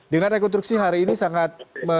dengan rekonstruksi hari ini sangat